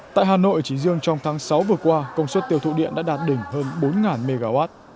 tại hà nội chỉ riêng trong tháng sáu vừa qua công suất tiêu thụ điện đã đạt đỉnh hơn bốn mw